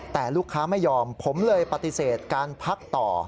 แต่ลูกค้าไม่ยอมผมเลยปฏิเสธการพักต่อ